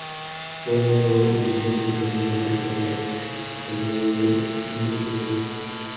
ورور مې په بوڅو شونډو ماته وکتل او په خبرو یې نیوکه وکړه.